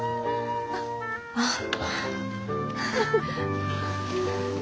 あっ。